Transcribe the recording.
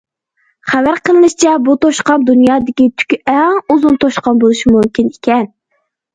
خەۋەر قىلىنىشىچە، بۇ توشقان دۇنيادىكى تۈكى ئەڭ ئۇزۇن توشقان بولۇشى مۇمكىن ئىكەن.